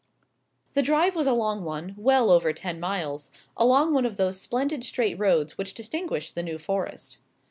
The drive was a long one, well over ten miles, along one of those splendid straight roads which distinguish the New Forest.